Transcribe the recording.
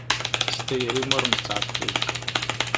S tayri-m ur nettɛeṭṭil.